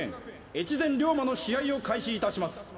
越前リョーマの試合を開始いたします。